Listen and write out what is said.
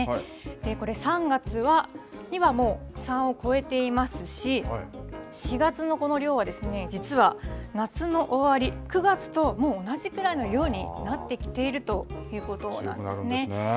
これ、３月にはもう、３を超えていますし、４月のこの量は実は夏の終わり、９月ともう同じくらいのようになってきているということなんです強くなるんですね。